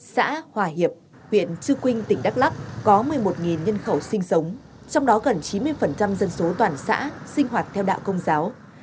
xã hòa hiệp huyện chư quynh tỉnh đắk lắk có một mươi một nhân khẩu sinh sống trong đó gần chín mươi dân số toàn xã sinh hoạt theo đạo công giáo